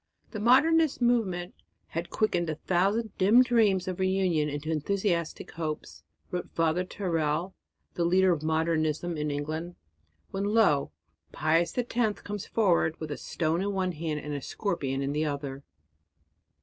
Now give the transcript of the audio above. "The Modernist movement had quickened a thousand dim dreams of reunion into enthusiastic hopes," wrote Father Tyrrell, the leader of Modernism in England, "when lo! Pius X comes forward with a stone in one hand and a scorpion in the other."